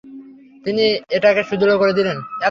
তিনি এটাকে সুদৃঢ় করে দিলেন।